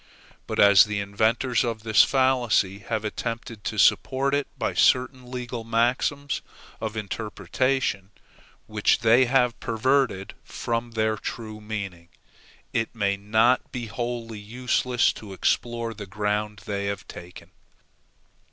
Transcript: But as the inventors of this fallacy have attempted to support it by certain legal maxims of interpretation, which they have perverted from their true meaning, it may not be wholly useless to explore the ground they have taken.